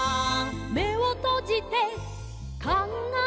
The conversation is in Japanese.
「めをとじてかんがえる」